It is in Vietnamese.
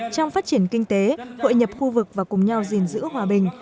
trong phát triển kinh tế hội nhập khu vực và cùng nhau gìn giữ hòa bình